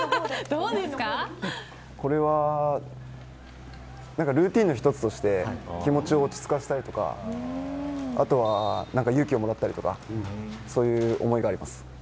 これはルーティンの一つとして気持ちを落ち着かせたりとか勇気をもらったりとかそういう思いがあります。